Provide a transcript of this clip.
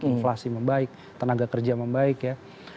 inflasi membaik tenaga kerja membaik ya